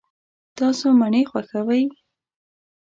تاسو مڼې خوښوئ؟